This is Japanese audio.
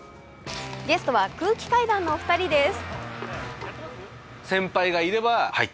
ゲストは空気階段のお二人です。